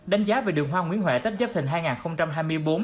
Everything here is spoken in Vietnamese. đánh giá về đường hoa nguyễn huệ tết dắp thịnh hai nghìn hai mươi bốn